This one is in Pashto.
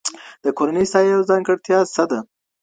د کورني صنايعو ځانګړتيا څه ده؟